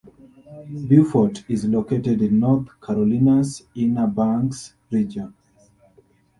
Beaufort is located in North Carolina's "Inner Banks" region.